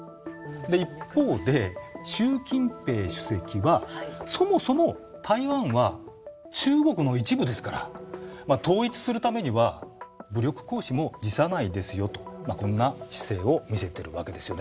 一方で習近平主席はそもそも台湾は中国の一部ですから統一するためには武力行使も辞さないですよとこんな姿勢を見せてるわけですよね。